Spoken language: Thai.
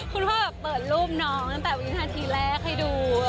พ่อเปิดรูปน้องตั้งแต่วินาทีแรกให้ดู